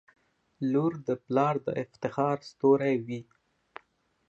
• لور د پلار د افتخار ستوری وي.